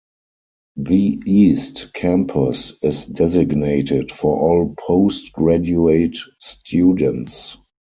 The east campus is designated for all postgraduate students.